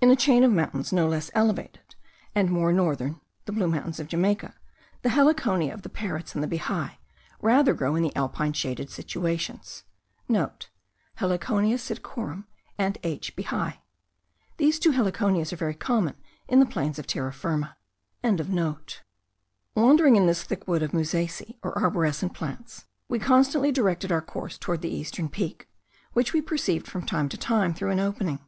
In a chain of mountains no less elevated, and more northern (the Blue Mountains of Jamaica), the Heliconia of the parrots and the bihai, rather grow in the alpine shaded situations.* (* Heliconia psittacorum, and H. bihai. These two heliconias are very common in the plains of Terra Firma.) Wandering in this thick wood of musaceae or arborescent plants, we constantly directed our course towards the eastern peak, which we perceived from time to time through an opening.